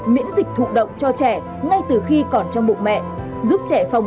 miễn dịch và tạo sức đề kháng